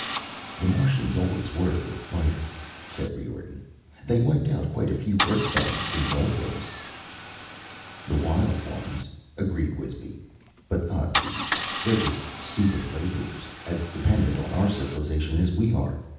"The Martians always were good fighters," said Riordan. "They wiped out quite a few Earth settlements in the old days." "The wild ones," agreed Wisby. "But not these. They're just stupid laborers, as dependent on our civilization as we are.